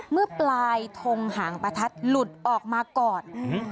เมื่อปลายทงหางประทัดหลุดออกมาก่อน